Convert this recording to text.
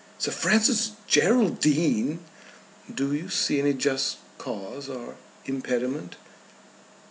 "Sir Francis Geraldine!" "Do you see any just cause or impediment?"